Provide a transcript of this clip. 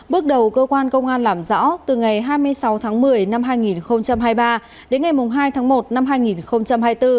bước đầu cơ quan công an làm rõ từ ngày hai mươi sáu tháng một mươi năm hai nghìn hai mươi ba đến ngày hai tháng một năm hai nghìn hai mươi bốn